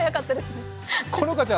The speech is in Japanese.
好花ちゃん